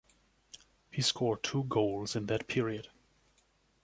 He scored two goals in that period.